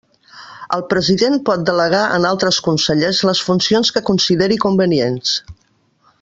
El president pot delegar en altres consellers les funcions que consideri convenients.